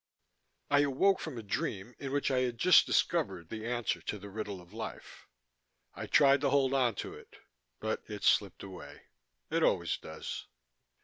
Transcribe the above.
I awoke from a dream in which I had just discovered the answer to the riddle of life. I tried to hold onto it, but it slipped away; it always does.